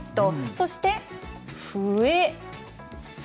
そして、笛。